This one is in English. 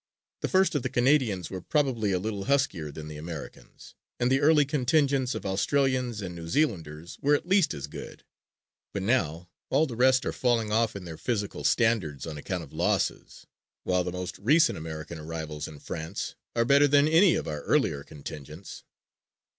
The first of the Canadians were probably a little huskier than the Americans and the early contingents of Australians and New Zealanders were at least as good, but now all the rest are falling off in their physical standards on account of losses, while the most recent American arrivals in France are better than any of our earlier contingents.